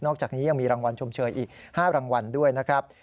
อกจากนี้ยังมีรางวัลชมเชยอีก๕รางวัลด้วยนะครับ